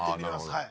はい